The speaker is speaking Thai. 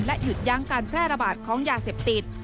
หยุดยั้งการแพร่ระบาดของยาเสพติด